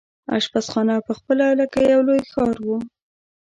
اشپزخانه پخپله لکه یو لوی ښار وو.